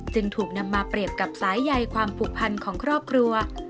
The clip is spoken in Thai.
จึงถูกนำมาเปรียบกับสายใยความผูกพันของครอบครัว